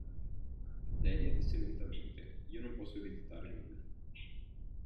Delia disse lentamente: Io non posso ereditare nulla.